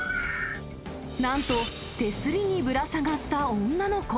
なんと、手すりにぶら下がった女の子。